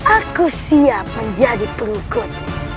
aku siap menjadi pelukut